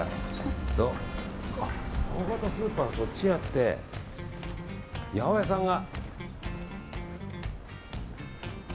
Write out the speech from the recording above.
大型スーパーがそっちにあって八百屋さんが。